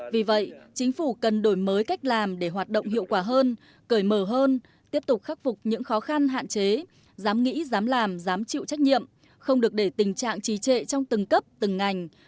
vì vậy chính phủ cần đổi mới cách làm để hoạt động hiệu quả hơn cởi mở hơn tiếp tục khắc phục những khó khăn hạn chế dám nghĩ dám làm dám chịu trách nhiệm không được để tình trạng trì trệ trong từng cấp từng ngành